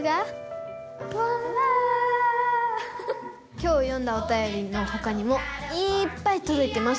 きょう読んだおたよりのほかにもいっぱいとどいてます。